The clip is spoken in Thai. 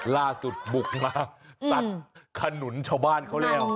ล่าสุดบุกมาสักขนุนชาวบ้านเขาแล้ว